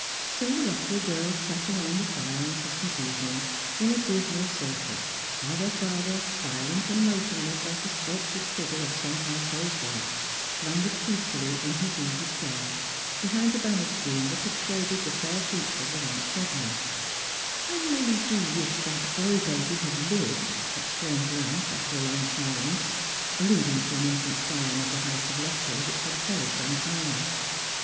So the Lut trel girls sat round the fire on Christmas evening in a dismal circle, while their father, silent and motionless as the sculptured Strangers and Pilgrims. 125 figure of some household god, slumbered peacefully in his easy chair behind the banner screen thai; had shaded the fair features of aunt Chevenix. " I really do wish that boy bal>y had lived," exclaimed Blanche after a long silence, alluding to an infant scion of the house of Luttrell which had jDerished untimely.